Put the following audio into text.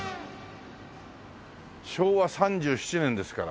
「昭和３７年」ですから。